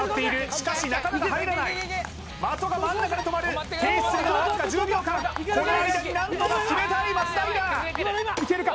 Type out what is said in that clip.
しかしなかなか入らない的が真ん中で止まる停止するのはわずか１０秒間この間に何とか決めたい松平いけるか？